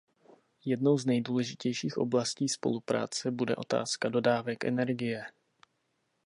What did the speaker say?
Jednou z nejdůležitějších oblastí spolupráce bude otázka dodávek energie.